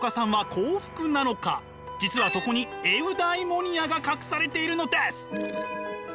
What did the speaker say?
実はそこにエウダイモニアが隠されているのです。